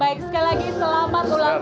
baik sekali lagi selamat ulang